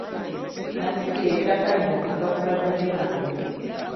Nasikira ettaka lino okuva ku bazadde bange.